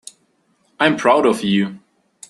I'm proud of you.